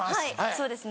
そうですね